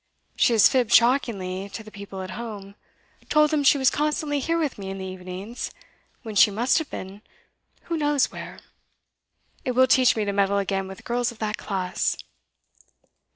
She has fibbed shockingly to the people at home told them she was constantly here with me in the evenings, when she must have been who knows where. It will teach me to meddle again with girls of that class.